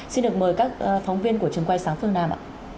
xin được mời các phóng viên của trường quay sáng phương nam ạ